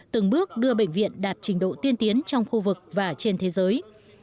từng bước đưa bệnh viện đạt trình độ tiên tiến trong khu vực và trên thế giới